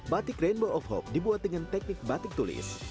batik rainbow of hope dibuat dengan teknik batik tulis